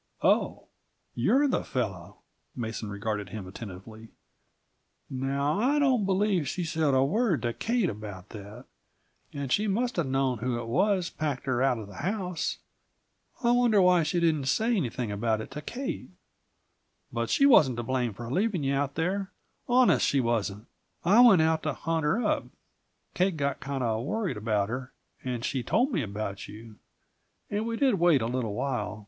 "Oh. You're the fellow!" Mason regarded him attentively. "Now, I don't believe she said a word to Kate about that, and she must have known who it was packed her out of the house. I wonder why she didn't say anything about it to Kate! But she wasn't to blame for leaving you out there, honest she wasn't. I went out to hunt her up Kate got kinda worried about her and she told me about you, and we did wait a little while.